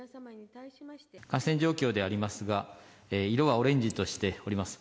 感染状況でありますが、色はオレンジとしております。